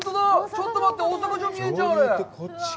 ちょっと待って、大阪城見えるじゃん。